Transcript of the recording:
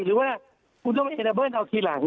หรือว่าคุณต้องเอาเอนาเบิ้ลเอาทีหลัง